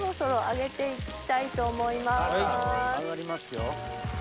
上がりますよ。